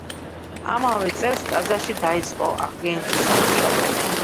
ამავე წელს ტაძარში დაიწყო აღდგენითი სამუშაოები.